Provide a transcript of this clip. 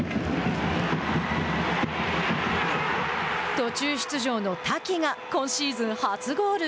途中出場の滝が今シーズン初ゴール。